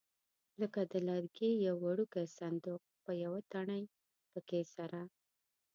لکه د لرګي یو وړوکی صندوق په یوه تڼۍ پکې سره.